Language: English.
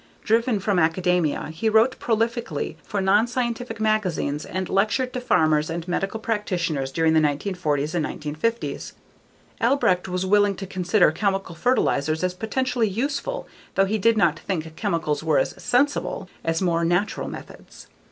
Driven from academia, he wrote prolifically for nonscientific magazines and lectured to farmers and medical practitioners during the 1940s and 1950s. Albrecht was willing to consider chemical fertilizers as potentially useful though he did not think chemicals were as sensible as more natural methods.